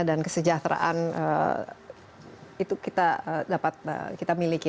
dan kesejahteraan itu kita dapat kita miliki